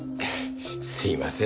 すいません。